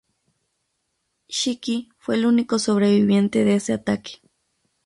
Shiki fue el único sobreviviente de ese ataque.